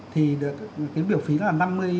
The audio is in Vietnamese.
thì được cái biểu phí là năm mươi năm